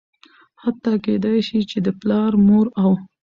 حتا کيدى شي چې د پلار ،مور او